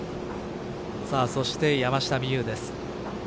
そして山下美夢有です。